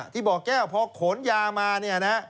ที่เบาะแก้วพอขนยามาเนี่ยนะ